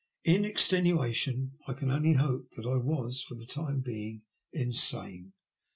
In extenuation, I can only hope that I was, for the time being, insane.